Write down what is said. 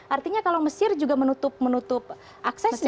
artinya kalau mesir juga menutup akses